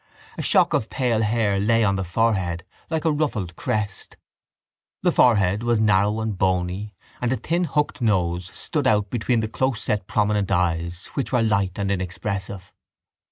A shock of pale hair lay on the forehead like a ruffled crest: the forehead was narrow and bony and a thin hooked nose stood out between the closeset prominent eyes which were light and inexpressive.